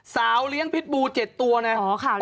สาวเลี้ยงพิษบูร์เจ็ดตัวเนี่ย